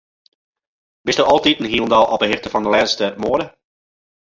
Bisto altiten hielendal op 'e hichte fan de lêste moade?